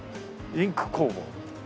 インク工房。